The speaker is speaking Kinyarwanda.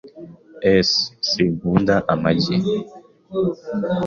S Sinkunda amagi .